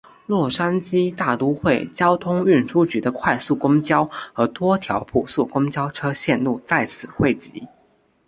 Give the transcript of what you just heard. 洛杉矶大都会交通运输局的快速公交和多条普速公交车线路在此汇集。